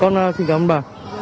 con xin cảm ơn bà